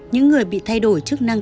những người bị thay đổi chức năng